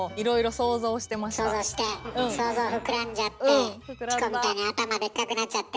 想像して想像膨らんじゃってチコみたいに頭でっかくなっちゃって。